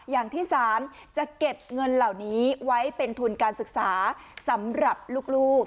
อย่างที่๓จะเก็บเงินเหล่านี้ไว้เป็นทุนการศึกษาสำหรับลูก